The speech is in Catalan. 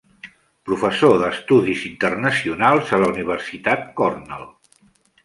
Professor d'Estudis Internacionals a la Universitat Cornell.